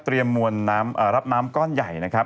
เตรียมรับน้ำก้อนใหญ่นะครับ